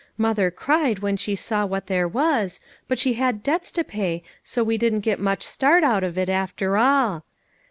Mother cried when she saw what there was, but she had debts to pay, so we didn't get much start out of it after all.